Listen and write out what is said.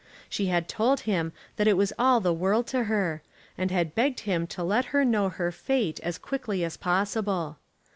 She had told him that it was all the world to her, and had begged him to let her know her fate as quickly as possible.